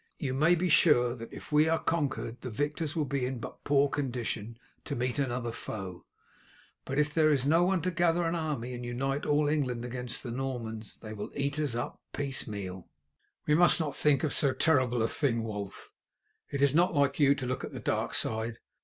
You may be sure that if we are conquered the victors will be in but poor condition to meet another foe; but if there is no one to gather an army and unite all England against the Normans they will eat us up piecemeal." "We must not think of so terrible a thing, Wulf. It is not like you to look at the dark side.